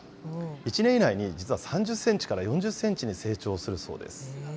１年以内に実は３０センチから４０センチに成長するそうです。